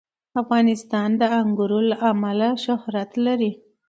افغانستان د انګور له امله شهرت لري.